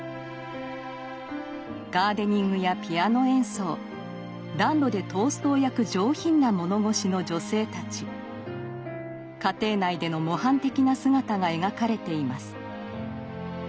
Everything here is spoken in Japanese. ガーデニングやピアノ演奏暖炉でトーストを焼く上品な物腰の女性たち家庭内での模範的な姿が描かれています。